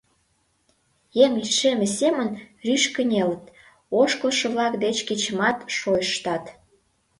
Еҥ лишемме семын рӱж кынелыт, ошкылшо-влак деч кечымат шойыштат.